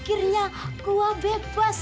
akhirnya gua bebas